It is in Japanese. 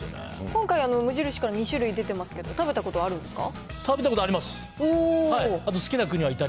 今回、無印から２種類出てますけど、食べたことあるんですか？